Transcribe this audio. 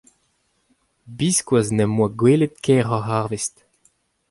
Biskoazh ne'm boa gwelet kaeroc'h arvest.